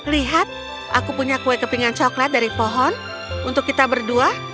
lihat aku punya kue kepingan coklat dari pohon untuk kita berdua